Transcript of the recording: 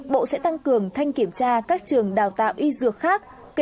bộ sẽ tăng cường thanh kiểm tra các trường đào tạo y dược khác